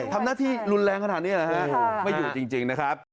ทำหน้าที่รุนแรงขนาดนี้นะฮะไม่อยู่จริงนะครับ